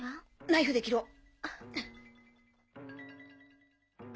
ナイフで切ろう。